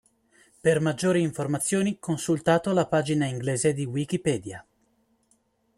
Per maggiori informazioni consultato la pagina inglese di Wikipedia.